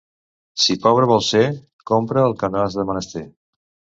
Si pobre vols ser, compra el que no has de menester.